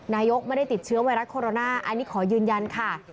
นายกไม่ได้ติดเชื้อไวรัสโคโรนาอันนี้ขอยืนยันค่ะ